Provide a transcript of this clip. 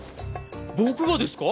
僕がですか？